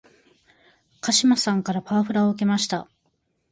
鹿島さんからパワハラを受けました